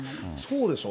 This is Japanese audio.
そうでしょ。